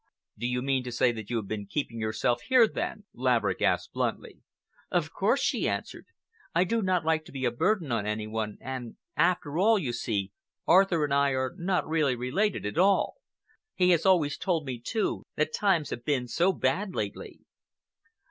"Do you mean to say that you have been keeping yourself here, then?" Laverick asked bluntly. "Of course," she answered. "I do not like to be a burden on any one, and after all, you see, Arthur and I are really not related at all. He has always told me, too, that times have been so bad lately."